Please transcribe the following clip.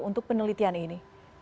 untuk penelitian ini